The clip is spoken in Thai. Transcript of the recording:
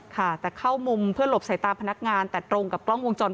ค่ะแต่เข้ามุมเพื่อหลบใส่ตาพนักงานแต่ตรงกับกล้องวงจร